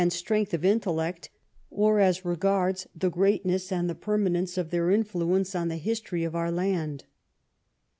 strength of intellect, or as regards the greatness and the permanence of their influence on the history of our land.